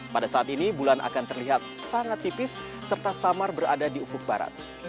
pada saat ini bulan akan terlihat sangat tipis serta samar berada di ufuk barat